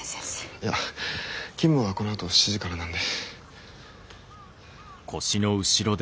いや勤務はこのあと７時からなんで。